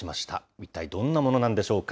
一体どんなものなんでしょうか。